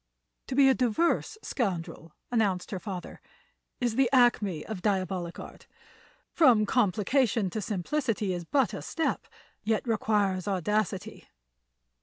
"To be a diverse scoundrel," announced her father, "is the acme of diabolic art. From complication to simplicity is but a step, yet requires audacity.